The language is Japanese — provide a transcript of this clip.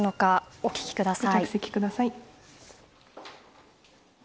お聞きください。